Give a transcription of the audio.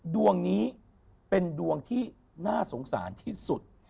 ดวงนี้เป็นดวงที่น่าสงสารที่สุด